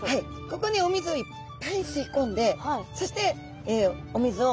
ここにお水をいっぱいすいこんでそしてお水を今度は漏斗。